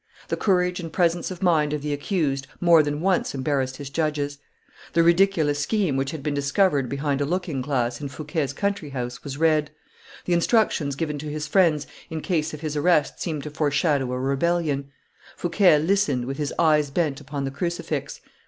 The courage and presence of mind of the accused more than once embarrassed his judges. The ridiculous scheme which had been discovered behind a looking glass in Fouquet's country house was read; the instructions given to his friends in case of his arrest seemed to foreshadow a rebellion; Fouquet listened, with his eyes bent upon the crucifix.